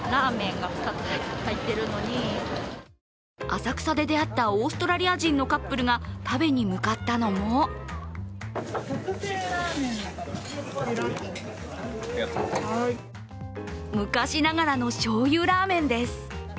浅草で出会ったオーストラリア人のカップルが食べに向かったのも昔ながらのしょうゆラーメンです。